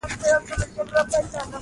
ټولې مځکې ورڅخه واخیستلې.